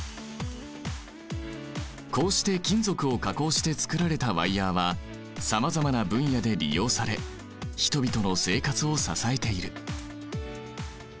こうして金属を加工してつくられたワイヤーはさまざまな分野で利用され人々の生活を支えている。